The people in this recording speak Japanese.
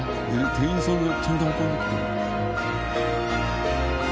店員さんがちゃんと運んできてる。